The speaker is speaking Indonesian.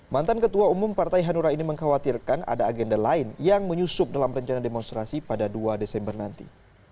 mantan ketua umum partai hanura ini mengkhawatirkan ada agenda lain yang menyusup dalam rencana demonstrasi pada dua desember nanti